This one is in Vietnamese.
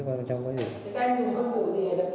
các anh dùng cơ hội gì để đập chiếc xe